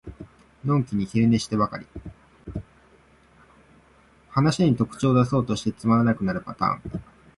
話に特徴だそうとしてつまらなくなるパターン